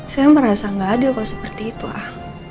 saya merasa nggak adil kalau seperti itu ah